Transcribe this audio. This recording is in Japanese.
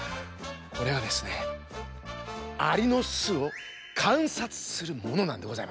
これはですねアリのすをかんさつするものなんでございます。